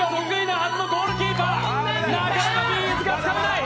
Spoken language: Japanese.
なかなかビーズがつかめない。